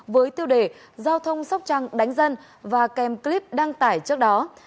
với tiêu đề giao thông sóc trăng đánh dân và kèm clip đăng tải trước đó